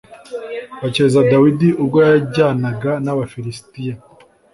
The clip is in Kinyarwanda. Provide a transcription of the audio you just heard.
bakeza Dawidi ubwo yajyanaga n’Abafilisitiya